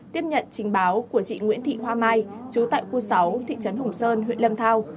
trình báo của chị nguyễn thị hoa mai trú tại khu sáu thị trấn hùng sơn huyện lâm thao